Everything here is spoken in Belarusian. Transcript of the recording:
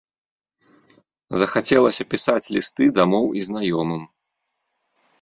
Захацелася пісаць лісты дамоў і знаёмым.